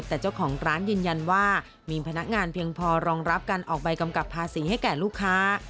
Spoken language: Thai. แต่เจ้าของร้านยืนยันว่ามีพนักงานเพียงพอรองรับการออกใบกำกับภาษีให้แก่ลูกค้า